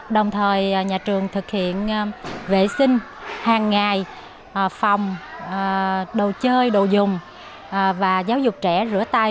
đồng thời nhà trường thực hiện vệ sinh hàng ngày phòng đồ chơi đồ dùng và giáo dục trẻ rửa tay